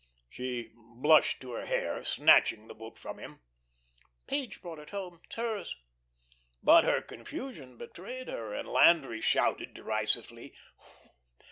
She blushed to her hair, snatching the book from him. "Page brought it home. It's hers." But her confusion betrayed her, and Landry shouted derisively.